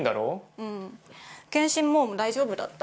うん、健診も大丈夫だった。